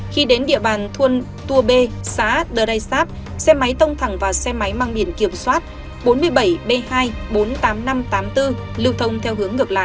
khi đến địa bàn thuôn tua b xã đờ đai sáp xe máy tông thẳng và xe máy mang biển kiểm soát bốn mươi bảy b hai trăm bốn mươi tám nghìn năm trăm tám mươi bốn lưu thông theo hướng ngược lại